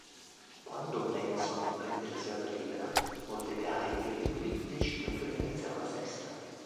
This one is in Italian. Quando Benson prende la serata libera, Mordecai e Rigby decidono di organizzare una festa.